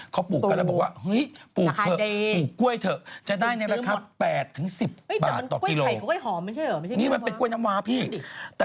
เขาปลูกกันแล้วบอกว่า